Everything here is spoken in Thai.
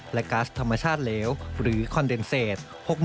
และก๊าซธรรมชาติเหลวหรือคอนเดนเซต